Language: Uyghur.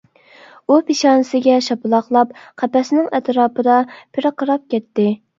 ئۇ پېشانىسىگە شاپىلاقلاپ قەپەسنىڭ ئەتراپىدا پىرقىراپ كەتتى.